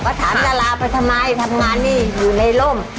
ก็ถามดาราไปทำไมทำงานนี่อยู่ในร่ม